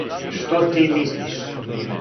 Што ти мислиш?